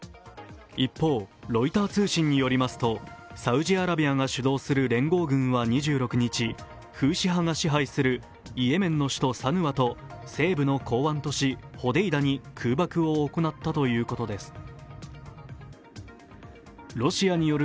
一方、ロイター通信によりますとサウジアラビアが主導する連合軍は２６日フーシ派が支配するイエメンの首都サヌアと西部の港湾都市ホデイダに空爆を行ったということです。